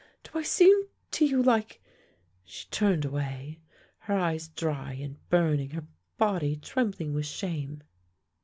Do I seem to you like " she turned away, her eyes dry and burning, her body trembling with shame.